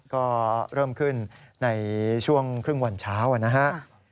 ก็เริ่มขึ้นในช่วงครึ่งวันเช้านะครับ